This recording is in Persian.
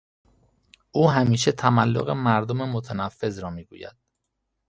او همیشه تملق مردم متنفذ را میگوید.